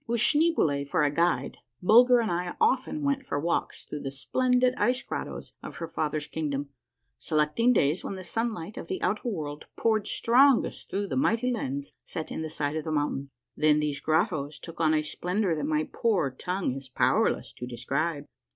With Schneeboule for a guide, Bulger and I often went for walks through the splendid ice grottos of her father's kingdom, selecting days when the sunlight of the outer world poured strongest through the mighty lens set in the side of the moun tain. Then these grottos took on a splendor that my poor tongue is powerless to describe.